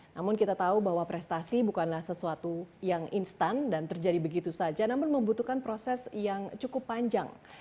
namun kita tahu bahwa prestasi bukanlah sesuatu yang instan dan terjadi begitu saja namun membutuhkan proses yang cukup panjang